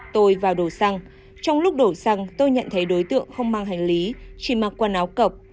trong lúc đổ xăng tôi nhận thấy đối tượng không mang hành lý chỉ mặc quần áo cọc